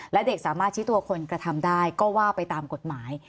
และเด็กสามารถชี้ตัวคนกระทำได้ก็ว่าไปตามกฎหมาย